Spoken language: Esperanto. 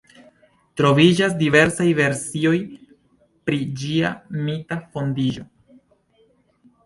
Troviĝas diversaj versioj pri ĝia mita fondiĝo.